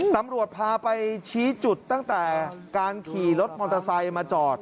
ตำรวจพาไปชี้จุดตั้งแต่การขี่รถมอเตอร์ไซค์มาจอด